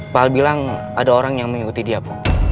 pak al bilang ada orang yang mengikuti dia pak